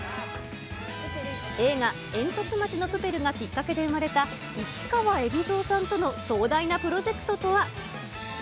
映画えんとつ町のプペルがきっかけで生まれた、市川海老蔵さんとの壮大なプロジェクトとは。